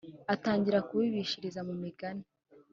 Atangira kubishiriza mumi gani